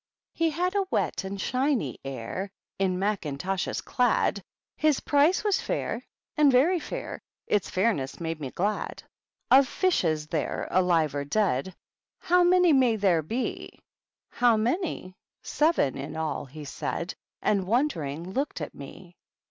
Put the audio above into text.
He had a wet and shiny aivy In mackintoshes clad; His price was fair^ and very fair, — Its fairness made me glad. * Of fishes there, alive or deady How many may there be f * How many f Seven in all^ he said. And, wondering, looked at me.